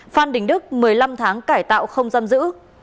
phan đình đức một mươi năm tháng cải tạo không giam giữ